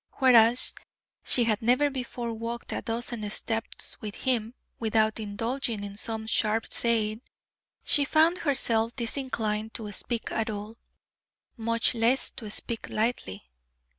Whereas she had never before walked a dozen steps with him without indulging in some sharp saying, she found herself disinclined to speak at all, much less to speak lightly.